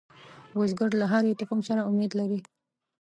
بزګر له هرې تخم سره امید لري